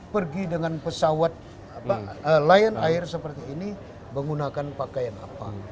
pergi dengan pesawat lion air seperti ini menggunakan pakaian apa